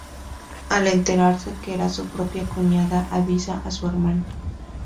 Al enterarse que era su propia cuñada avisa a su hermano.